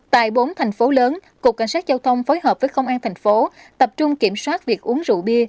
tại bốn thành phố lớn cục cảnh sát giao thông phối hợp với công an thành phố tập trung kiểm soát việc uống rượu bia